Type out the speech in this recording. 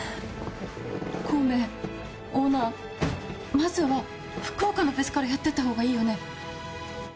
まずは福岡のフェスからやっていった方がいいよね？